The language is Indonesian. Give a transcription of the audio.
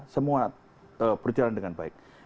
semua berjalan dengan baik